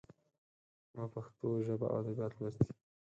ما پښتو ژبه او ادبيات لوستي.